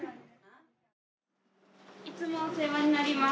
いつもお世話になります。